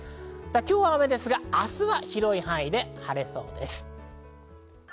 今日は雨で明日は広い範囲で晴れそうです。